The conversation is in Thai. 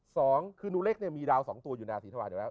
ข้อ๒คือนุเล็กมีดาวน์๒ตัวอยู่ในราศีทวาร